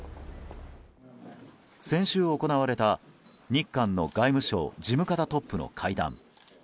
先週行われた、日韓の外務省事務方トップの会談。